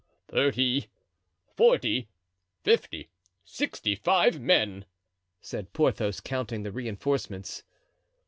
"Thirty, forty, fifty, sixty five men," said Porthos, counting the reinforcements.